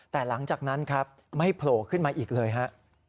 แต่หลังจากนั้นครับไม่โผล่ขึ้นมาอีกเลยฮะ